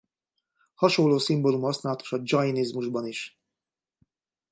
Hasonló szimbólum használatos a dzsainizmusban is.